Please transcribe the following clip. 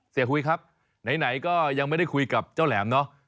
หุยครับไหนก็ยังไม่ได้คุยกับเจ้าแหลมเนาะ